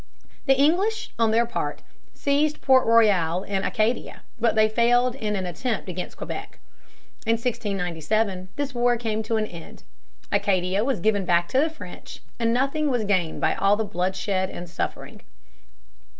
The English, on their part, seized Port Royal in Acadia, but they failed in an attempt against Quebec. In 1697 this war came to an end. Acadia was given back to the French, and nothing was gained by all the bloodshed and suffering.